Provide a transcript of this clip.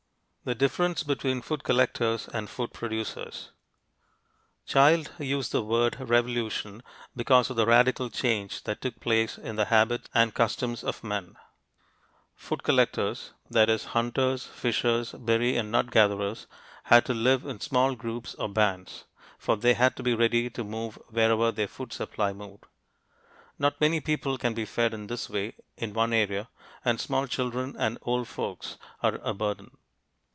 THE DIFFERENCE BETWEEN FOOD COLLECTORS AND FOOD PRODUCERS Childe used the word "revolution" because of the radical change that took place in the habits and customs of man. Food collectors that is, hunters, fishers, berry and nut gatherers had to live in small groups or bands, for they had to be ready to move wherever their food supply moved. Not many people can be fed in this way in one area, and small children and old folks are a burden.